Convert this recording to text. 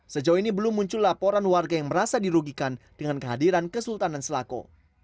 sejauh ini belum muncul laporan warga yang merasa dirugikan dengan kehadiran kesultanan selako